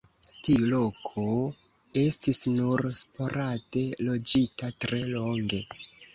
Tiu loko estis nur sporade loĝita tre longe.